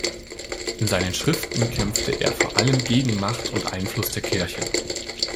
In seinen Schriften kämpfte er vor allem gegen Macht und Einfluss der Kirche.